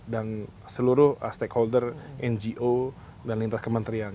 dan seluruh stakeholder ngo dan lintas kementerian